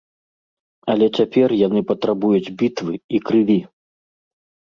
Але цяпер яны патрабуюць бітвы і крыві!